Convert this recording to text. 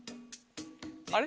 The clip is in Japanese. あれ？